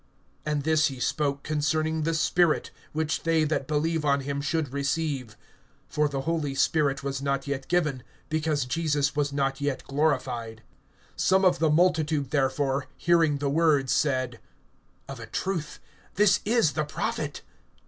(39)And this he spoke concerning the Spirit, which they that believe on him should receive; for the Holy Spirit was not yet [given], because Jesus was not yet glorified. (40)Some of the multitude therefore, hearing the words, said: Of a truth this is the Prophet.